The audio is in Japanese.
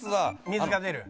水が出る？